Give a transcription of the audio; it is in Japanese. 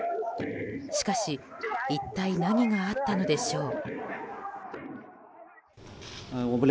しかし一体何があったのでしょう。